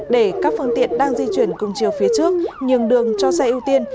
để các phương tiện đang di chuyển cùng chiều phía trước nhường đường cho xe ưu tiên